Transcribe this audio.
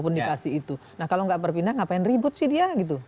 nah kalau nggak berpindah ngapain ribut sih dia gitu